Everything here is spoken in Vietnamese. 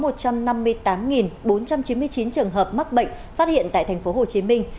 trong đó có một trăm năm mươi chín trường hợp mắc bệnh phát hiện tại thành phố hồ chí minh